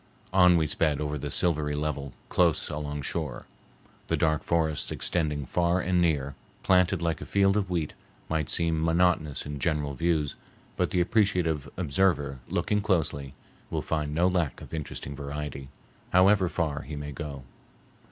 On we sped over the silvery level, close alongshore. The dark forests extending far and near, planted like a field of wheat, might seem monotonous in general views, but the appreciative observer, looking closely, will find no lack of interesting variety, however far he may go.